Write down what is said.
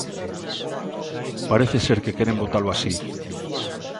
Parece ser que queren votalo así.